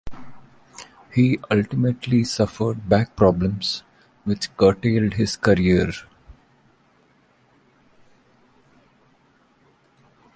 He ultimately suffered back problems, which curtailed his career.